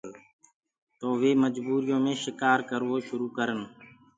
تو وي مجبوٚر يو مي شڪآر ڪروو شروُ ڪرن۔